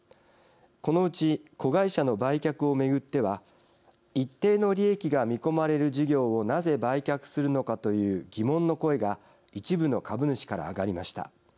このうち子会社の売却を巡っては一定の利益が見込まれる事業をなぜ売却するのかという疑問の声が一部の株主から上がりました。